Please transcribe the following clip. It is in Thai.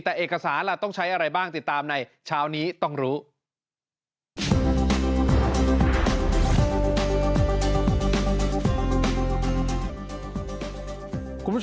แต่เอกสารล่ะต้องใช้อะไรบ้างติดตามในเช้านี้ต้องรู้